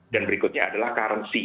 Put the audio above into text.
dan berikutnya adalah currency